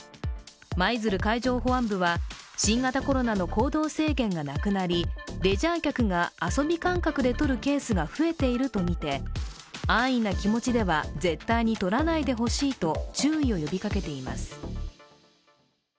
舞鶴海上保安部は新型コロナの行動制限がなくなり、レジャー客が遊び感覚でとるケースが増えているとみて安易な気持ちでは絶対にとらないでほしいと注意を呼びかけています。